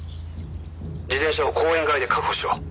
「自転車を公園外で確保しろ」